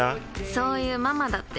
そういうママだって。